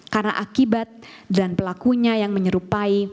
karena akibat dan pelakunya yang menyerupai